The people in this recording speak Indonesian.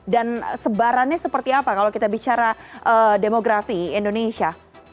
dan sebarannya seperti apa kalau kita bicara demografi indonesia